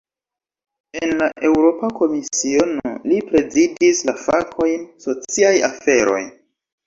En la Eŭropa Komisiono, li prezidis la fakojn "sociaj aferoj".